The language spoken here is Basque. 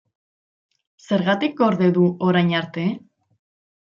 Zergatik gorde du orain arte?